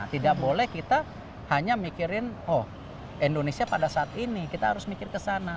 tidak boleh kita hanya mikirin oh indonesia pada saat ini kita harus mikir kesana